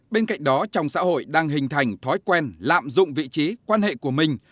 bên cạnh đó trong xã hội đang hình thành thói quen lạm dụng vị trí quan hệ của mình